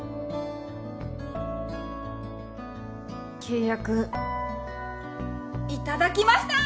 契約いただきました！